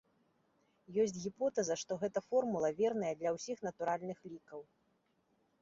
Ёсць гіпотэза, што гэта формула верная для ўсіх натуральных лікаў.